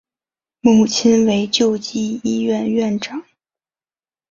母亲为救济医院院长。